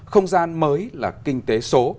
không gian mới là kinh tế số